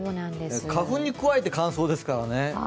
花粉に加えて乾燥ですからね。